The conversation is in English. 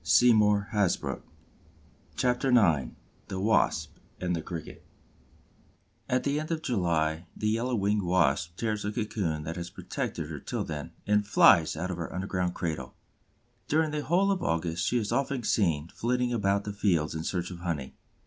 CHAPTER IX THE WASP AND THE CRICKET At the end of July the Yellow winged Wasp tears the cocoon that has protected her till then and flies out of her underground cradle. During the whole of August she is often seen flitting about the fields in search of honey.